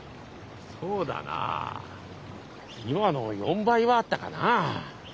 そうだなぁ今の４倍はあったかなぁ。